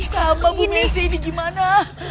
sama bu desi ini gimana